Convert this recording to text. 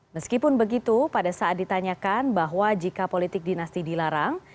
meskipun begitu pada saat ditanyakan bahwa jika politik dinasti dilarang